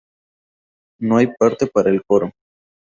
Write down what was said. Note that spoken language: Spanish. No hay parte para el coro.